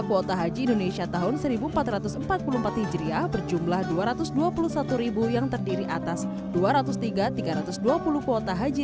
kuota haji indonesia tahun seribu empat ratus empat puluh empat hijriah berjumlah dua ratus dua puluh satu yang terdiri atas dua ratus tiga tiga ratus dua puluh kuota haji